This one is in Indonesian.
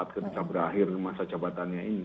ketika berakhir masa jabatannya ini